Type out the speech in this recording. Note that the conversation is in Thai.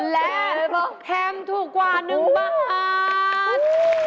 และแฮมถูกกว่า๑บาท